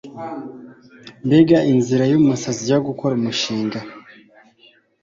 Mbega inzira yumusazi yo gukora umushinga